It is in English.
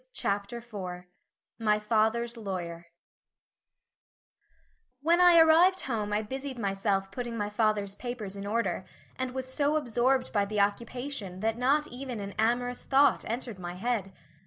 Chapter IV MY FATHER'S LAWYER When I arrived home I busied myself putting my father's papers in order, and was so absorbed by the occupation that not even an amorous thought entered my head.